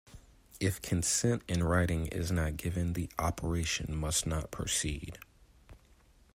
If consent in writing is not given the operation must not proceed.